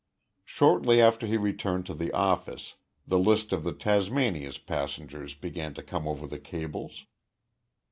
Shortly after he returned to the office, the list of the Tasmania's passengers began to come over the cables.